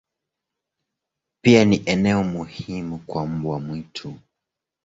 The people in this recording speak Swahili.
Pia ni eneo muhimu kwa mbwa mwitu.